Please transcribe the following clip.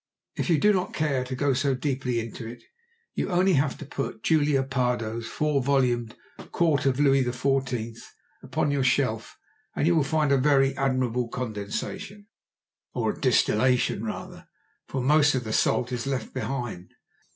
If you do not care to go so deeply into it you have only to put Julia Pardoe's four volumed "Court of Louis XIV." upon your shelf, and you will find a very admirable condensation—or a distillation rather, for most of the salt is left behind.